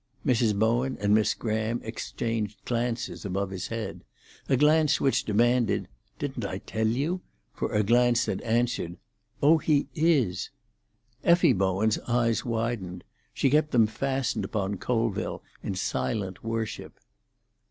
Mrs. Bowen and Miss Graham exchanged glances above his head—a glance which demanded, "Didn't I tell you?" for a glance that answered, "Oh, he is!" Effie Bowen's eyes widened; she kept them fastened upon Colville in silent worship.